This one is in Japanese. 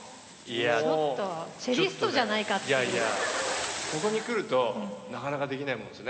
いやいやここに来るとなかなかできないもんですね。